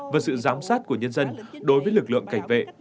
và sự giám sát của nhân dân đối với lực lượng cảnh vệ